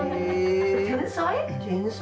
天才！？